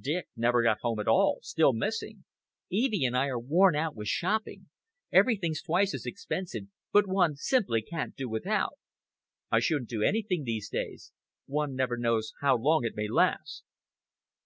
"Dick never got home at all. Still missing!" "Evie and I are worn out with shopping. Everything's twice as expensive, but one simply can't do without." "I shouldn't do without anything, these days. One never knows how long it may last."